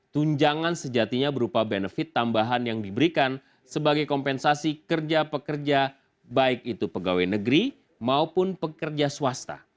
tunjangan sejatinya berupa benefit tambahan yang diberikan sebagai kompensasi kerja pekerja baik itu pegawai negeri maupun pekerja swasta